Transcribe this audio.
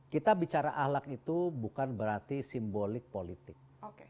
kita bicara ahlak itu bukan berarti simbolik politik